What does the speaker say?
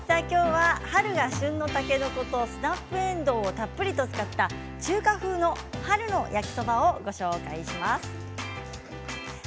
きょうは春が旬のたけのことスナップえんどうをたっぷりと使った中華風の春の焼きそばをご紹介します。